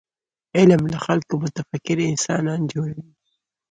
علم له خلکو متفکر انسانان جوړوي.